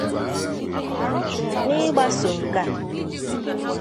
N'ịgbaso nke a